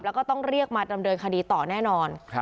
แล้วก็ต้องเรียกมาดำเนินคดีต่อแน่นอน